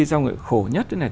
sao người khổ nhất thế này